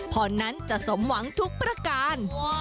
พรนั้นจะสมหวังทุกประการ